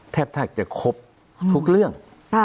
แทบจะครบทุกเรื่อง